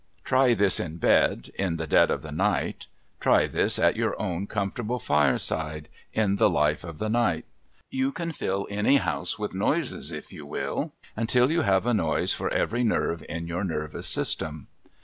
2o8 THE HAUNTED HOUSE 'IVy this in l)ed, in tlie dead of the night; try this at your own comfortable fireside, in tlie life of the night. You can fill any house with noises, if you will, until you have a noise for every nerve in your nervous system.